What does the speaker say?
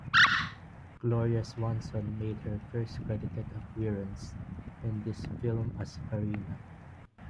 Gloria Swanson made her first credited appearance in this film as Farina.